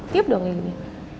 tiap dong ini